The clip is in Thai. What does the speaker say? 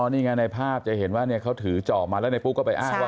นี่ไงในภาพจะเห็นว่าเขาถือจอบมาแล้วในปุ๊กก็ไปอ้างว่า